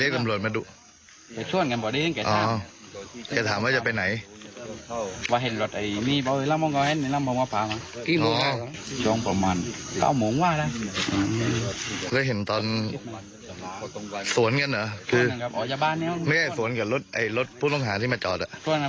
ส่วนกันเหรอไม่ใช่สวนกับรถพวกลงหาที่มาจอด